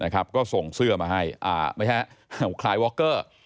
ก็ส่งเสื้อมาให้คลายวอคเกอร์